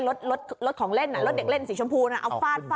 รถรถของเล่นรถเด็กเล่นสีชมพูน่ะเอาฟาดฟา